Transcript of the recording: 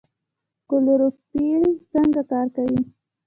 کلوروفیل څنګه کار کوي؟